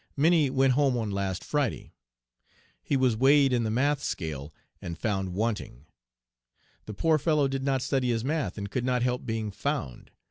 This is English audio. Minnie went home on last Friday. He was weighed in the 'math' scale and found wanting. The poor fellow did not study his 'math' and could not help being 'found.'